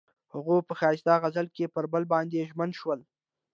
هغوی په ښایسته غزل کې پر بل باندې ژمن شول.